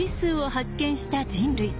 発見した人類。